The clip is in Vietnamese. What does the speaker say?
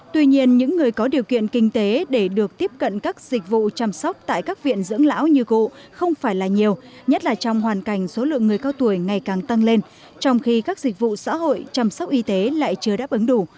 tuy nhiên những người có điều kiện kinh tế để được tiếp cận các dịch vụ chăm sóc tại các viện dưỡng lão như cụ không phải là nhiều nhất là trong hoàn cảnh số lượng người cao tuổi ngày càng tăng lên trong khi các dịch vụ xã hội chăm sóc y tế lại chưa đáp ứng đủ